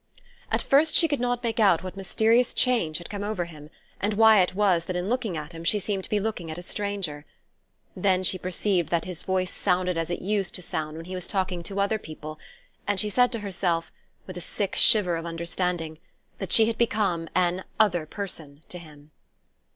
At first she could not make out what mysterious change had come over him, and why it was that in looking at him she seemed to be looking at a stranger; then she perceived that his voice sounded as it used to sound when he was talking to other people; and she said to herself, with a sick shiver of understanding, that she had become an "other person" to him.